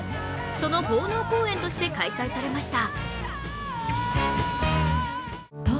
その奉納公演として開催されました。